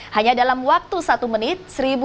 hanya dalam waktu satu menit